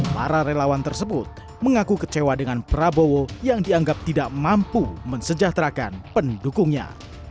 para relawan tersebut mengaku kecewa dengan prabowo yang dianggap tidak mampu mensejahterakan pendukungnya